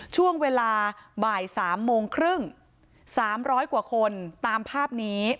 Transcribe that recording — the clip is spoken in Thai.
ช่วงเวลาบ่าย๓โมงครึ่ง๓๐๐กว่าคนตามภาพนี้